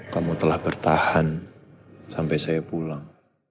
kamu telah bertahan sampai saya pulang